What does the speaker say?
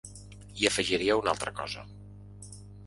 I afegiria una altra cosa.